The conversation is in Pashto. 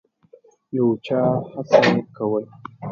یو چا هڅه کوله.